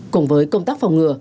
cùng với công tác phòng ngừa